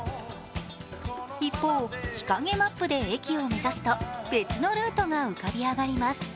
一方、日陰マップで駅を目指すと別のルートが浮かび上がります。